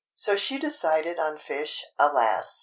So she decided on fish—alas!